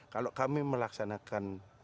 kalau kami melaksanakan